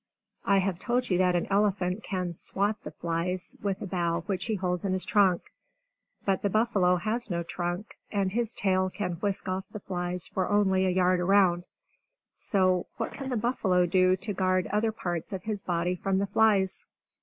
I have told you that an elephant can "swat" the flies with a bough which he holds in his trunk. But the buffalo has no trunk, and his tail can whisk off the flies for only a yard around. So, what can the buffalo do to guard other parts of his body from the flies?